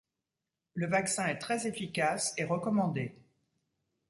Le vaccin est très efficace et recommandé.